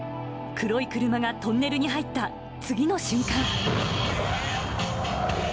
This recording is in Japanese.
黒い車がトンネルに入った次の瞬間。